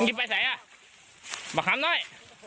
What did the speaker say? นี่ไปไหนอ่ะมาทำหน่อย